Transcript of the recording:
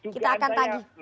kita akan tagih